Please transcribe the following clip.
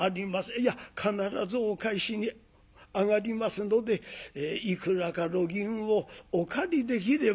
いや必ずお返しに上がりますのでいくらか路銀をお借りできれば」。